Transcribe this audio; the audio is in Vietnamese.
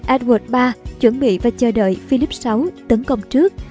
edward iii chuẩn bị và chờ đợi philip vi tấn công trước